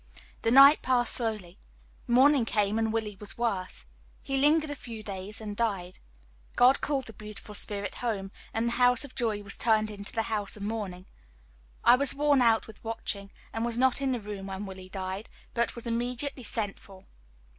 The night passed slowly; morning came, and Willie was worse. He lingered a few days, and died. God called the beautiful spirit home, and the house of joy was turned into the house of mourning. I was worn out with watching, and was not in the room when Willie died, but was immediately sent for.